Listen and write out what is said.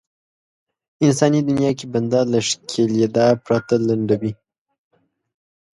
انساني دنيا کې بنده له ښکېلېدا پرته لنډوي.